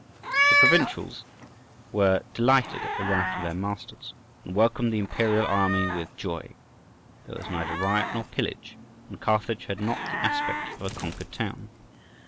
The provincials were delighted at the rout of their masters, and welcomed the imperial army with joy; there was neither riot nor pillage, and Carthage had not the aspect of a conquered town.